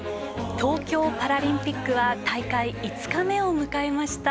東京パラリンピックは大会５日目を迎えました。